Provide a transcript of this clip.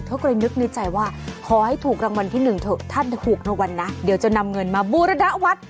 เธอก็เลยนึกในใจว่าขอให้ถูกรางวัลที่หนึ่งเถอะถ้าถูกรางวัลนะเดี๋ยวจะนำเงินมาบูรณวัด